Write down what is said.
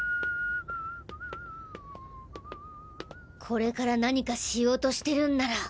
これから何かしようとしてるんなら。